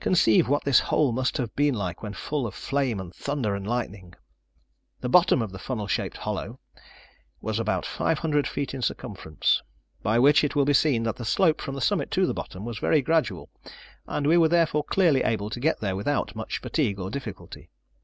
Conceive what this hole must have been like when full of flame and thunder and lightning. The bottom of the funnel shaped hollow was about five hundred feet in circumference, by which it will be seen that the slope from the summit to the bottom was very gradual, and we were therefore clearly able to get there without much fatigue or difficulty.